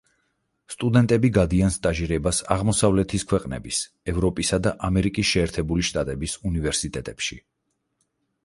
სტუდენტები გადიან სტაჟირებას აღმოსავლეთის ქვეყნების, ევროპისა და ამერიკის შეერთებული შტატების უნივერსიტეტებში.